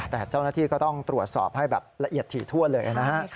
แต่เจ้าหน้าที่ก็ต้องตรวจสอบให้แบบละเอียดถี่ทั่วเลยนะฮะ